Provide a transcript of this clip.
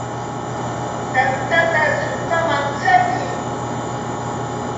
Yantata tullpaman shatiy.